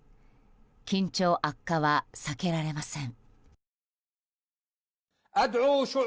緊張悪化は避けられません。